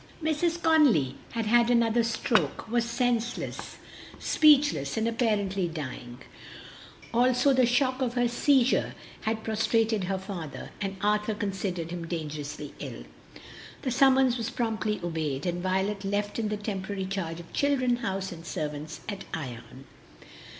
Mrs. Conly had had another stroke, was senseless, speechless, and apparently dying; also the shock of her seizure had prostrated her father, and Arthur considered him dangerously ill. The summons was promptly obeyed, and Violet left in the temporary charge of children, house, and servants at Ion.